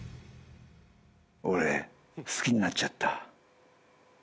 俺好きになっちゃった。